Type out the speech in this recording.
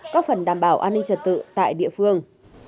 có phần đảm bảo an ninh trật tự tại địa phương